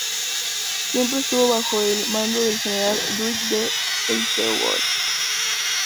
Siempre estuvo bajo el mando del general Dwight D. Eisenhower.